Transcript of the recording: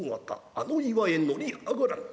あの岩へ乗り上がらん。